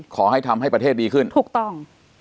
ขอให้ทำให้ประเทศดีขึ้น